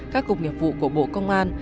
các cục nghiệp vụ của bộ công an